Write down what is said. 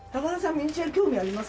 ミニチュアに興味あります？